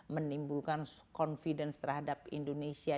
menimbulkan confidence terhadap indonesia